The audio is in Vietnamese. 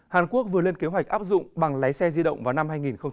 hàn quốc vừa lên kế hoạch áp dụng bằng lái xe di động vào năm hai nghìn hai mươi